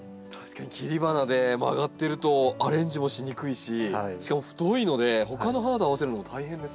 切り花で曲がっているとアレンジもしにくいししかも太いのでほかの花と合わせるのも大変ですね。